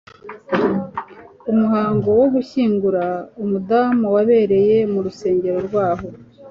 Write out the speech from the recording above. Umuhango wo gushyingura umudamu wabereye mu rusengero rwaho.